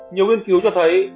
nhiều nghiên cứu cho thấy